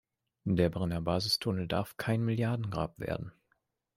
Der Brenner-Basistunnel darf kein Milliardengrab werden.